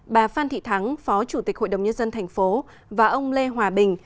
bà phan thị thắng phó chủ tịch hội đồng nhân dân tp và ông lê hòa bình